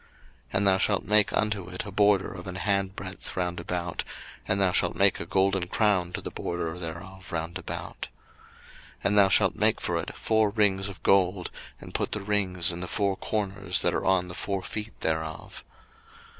02:025:025 And thou shalt make unto it a border of an hand breadth round about, and thou shalt make a golden crown to the border thereof round about. 02:025:026 And thou shalt make for it four rings of gold, and put the rings in the four corners that are on the four feet thereof.